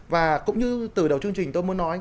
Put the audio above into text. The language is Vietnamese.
và cũng như từ đầu chương trình tôi muốn nói